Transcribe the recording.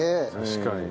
確かに。